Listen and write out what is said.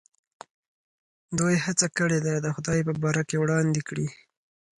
دوی هڅه کړې ده د خدای په باره کې وړاندې کړي.